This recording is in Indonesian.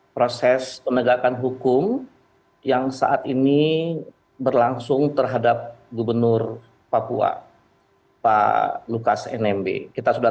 proses penegakan hukum yang saat ini berlangsung terhadap gubernur papua pak lukas nmb kita sudah